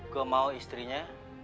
gua mau istrinya